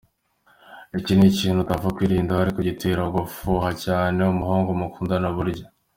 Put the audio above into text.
Iki ni ikintu utapfa kwirinda, ariko gitera gufuha cyane umuhungu mukundana burya.